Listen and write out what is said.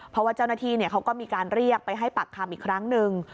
เพราะว่าเจ้าหน้าที่เขาก็มีการเรียกไปให้ปากคำอีกครั้งหนึ่ง